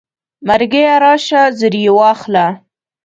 مرګیه راشه زر یې واخله.